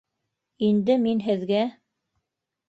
Инде мин һеҙгә...